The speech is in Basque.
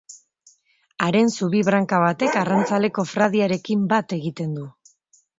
Haren zubi‑branka batek arrantzale‑kofradiarekin bat egiten du.